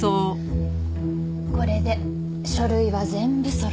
これで書類は全部そろった。